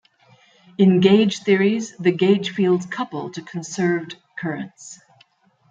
In gauge theories the gauge fields couple to conserved currents.